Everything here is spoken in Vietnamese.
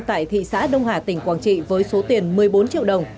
tại thị xã đông hà tỉnh quảng trị với số tiền một mươi bốn triệu đồng